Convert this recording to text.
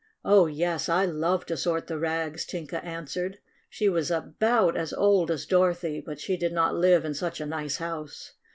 "Oh, yes, I love to sort the rags," Tin ka answered. She was about as old as Dorothy, but she did not live in such a nice house.